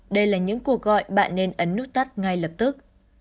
đây là những cuộc gọi bạn nên ấn nút tắt ngay lập tức